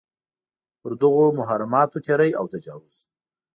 پر دغو محرماتو تېری او تجاوز.